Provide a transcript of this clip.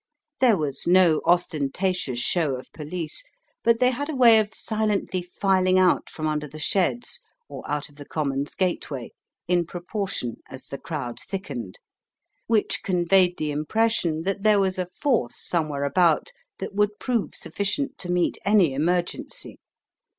There was no ostentatious show of police, but they had a way of silently filing out from under the sheds or out of the Commons' gateway in proportion as the crowd thickened, which conveyed the impression that there was a force somewhere about that would prove sufficient to meet any emergency.